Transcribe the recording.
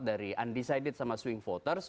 dari undecided sama swing voters